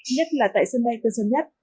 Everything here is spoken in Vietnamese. nhất là tại sơn bay tân sơn nhất